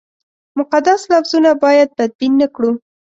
مقدس لفظونه باید بدبین نه کړو.